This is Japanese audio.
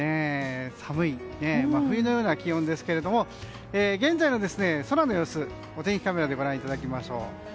寒い、冬のような気温ですが現在の空の様子、お天気カメラでご覧いただきましょう。